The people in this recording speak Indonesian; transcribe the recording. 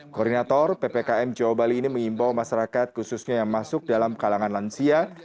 koordinator ppkm jawa bali ini mengimbau masyarakat khususnya yang masuk dalam kalangan lansia